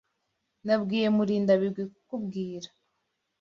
Nabwiye Murindabigwi kukubwira.